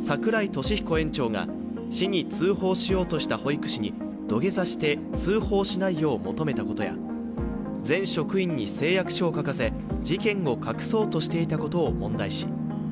櫻井利彦園長が市に通報しようとした保育士に土下座して通報しないよう求めたことや全職員に誓約書を書かせ事件を隠そうとしていたことを問題視。